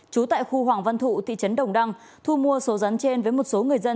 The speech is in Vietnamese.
trú tại khu hoàng văn thụ thị trấn đồng đăng thu mua số rắn trên với một số người dân